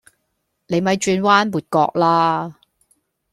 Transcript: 你咪轉彎抹角喇